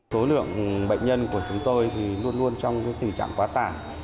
số lượng bệnh nhân của chúng tôi thì luôn luôn trong tình trạng quá tải